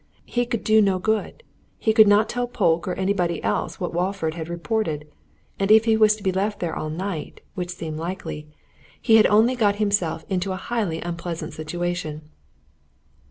He could do no good; he could not tell Polke or anybody else what Walford had reported. And if he was to be left there all night which seemed likely he had only got himself into a highly unpleasant situation.